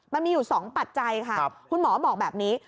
มันมีอยู่๒ปัจจัยค่ะคุณหมอบอกแบบนี้